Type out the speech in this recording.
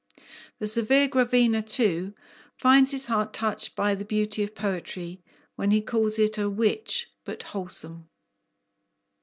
The severe Gravina, too, finds his heart touched by the beauty of poetry, when he calls it "a witch, but wholesome."